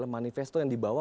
manifesto yang dibawa